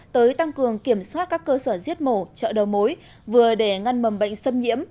tới tăng cường kiểm soát các cơ sở giết mổ chợ đầu mối vừa để ngăn mầm bệnh xâm nhiễm